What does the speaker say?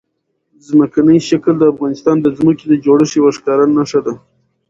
ځمکنی شکل د افغانستان د ځمکې د جوړښت یوه ښکاره نښه ده.